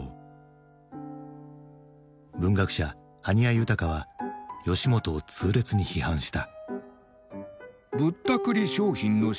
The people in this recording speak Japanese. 文学者埴谷雄高は吉本を痛烈に批判した。